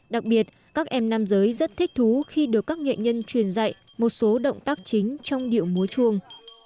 đặc biệt các em nam giới rất thích thú khi được các nghệ nhân truyền dạy một số động tác chính trong điệu múa chuông